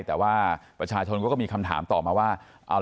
แต่ว่าประชาชนก็มีคำถามตอบมาแล้วนะครับ